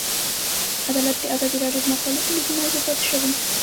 عدالت د ازادي راډیو د مقالو کلیدي موضوع پاتې شوی.